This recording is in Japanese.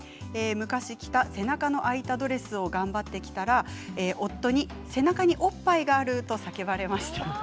昔、着た背中の開いたドレスを頑張って着たら夫に背中におっぱいがあると叫ばれました。